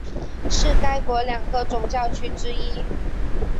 是该国两个总教区之一。